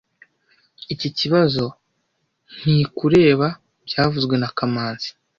Iki kibazo ntikureba byavuzwe na kamanzi